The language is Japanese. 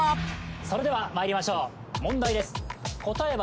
それではまいりましょう問題です